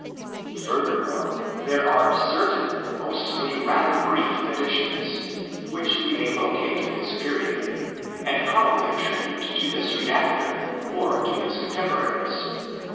Furthermore, there are certain, mostly rather brief, additions, which we may locate in this period and probably attribute to this redactor or to his con temporaries.